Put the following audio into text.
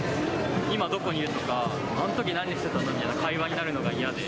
今どこにいる？とか、あんとき何してたみたいな会話になるのが嫌で。